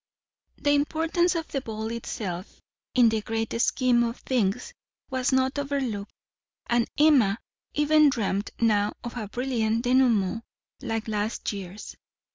The importance of the ball itself in the great scheme of things was not overlooked, and Emma even dreamt now of a brilliant dénouement like last year's.